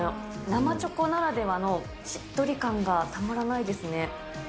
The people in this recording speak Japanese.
生チョコならではのしっとり感がたまらないですね。